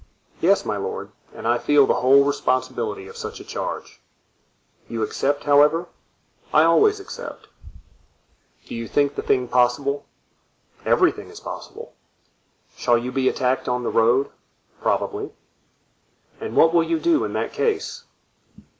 "Yes, my lord, and I feel the whole responsibility of such a charge." "You accept, however?" "I always accept." "Do you think the thing possible?" "Everything is possible." "Shall you be attacked on the road?" "Probably." "And what will you do in that case?"